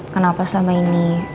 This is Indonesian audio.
kenapa selama ini